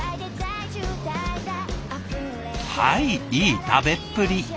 はいいい食べっぷり。